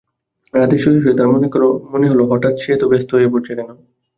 রাতে শুয়ে-শুয়ে তার মনে হলো, হঠাৎ করে সে এত ব্যস্ত হয়ে পড়েছে কেন?